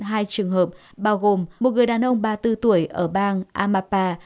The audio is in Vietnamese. hai trường hợp bao gồm một người đàn ông ba mươi bốn tuổi ở bang amapa